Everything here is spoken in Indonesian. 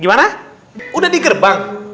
gimana udah di gerbang